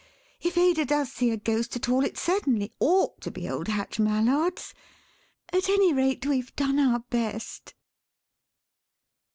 If Ada does see a ghost at all it certainly ought to be old Hatch Mallard's. At any rate, we've done our best."